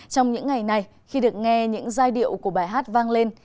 trong những ngày này khi được nghe những giai điệu của bài hát vang lên